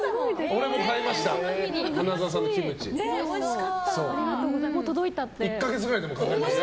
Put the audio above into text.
俺も買いました